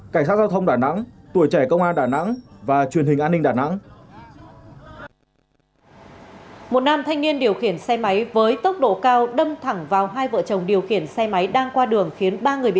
cảnh sát giao thông đà nẵng tuổi trẻ công an đà nẵng và truyền hình an ninh đà nẵng